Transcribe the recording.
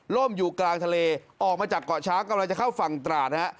อยู่กลางทะเลออกมาจากเกาะช้างกำลังจะเข้าฝั่งตราดฮะ